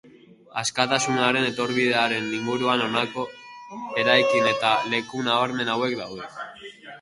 Askatasunaren etorbidearen inguruan honako eraikin eta leku nabarmen hauek daude.